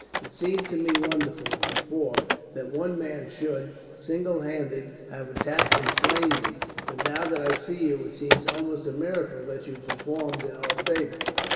It seemed to me wonderful, before, that one man should, single handed, have attacked and slain them; but now that I see you, it seems almost a miracle that you performed in our favour."